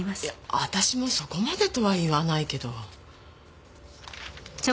いや私もそこまでとは言わないけど。